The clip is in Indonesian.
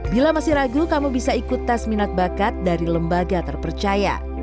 bila masih ragu kamu bisa ikut tes minat bakat dari lembaga terpercaya